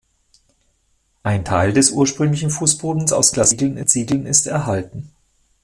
Ein Teil des ursprünglichen Fußbodens aus glasierten Ziegeln ist erhalten.